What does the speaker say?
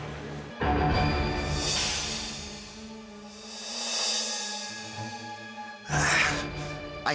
gak usah lah ya